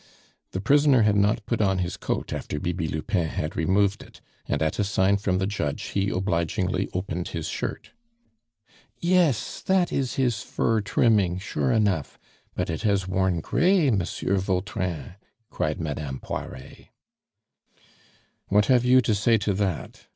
The prisoner had not put on his coat after Bibi Lupin had removed it, and at a sign from the judge he obligingly opened his shirt. "Yes, that is his fur trimming, sure enough! But it has worn gray, Monsieur Vautrin," cried Madame Poiret. "What have you to say to that?"